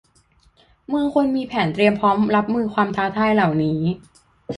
เมืองควรมีแผนเตรียมพร้อมรับมือความท้าทายเหล่านี้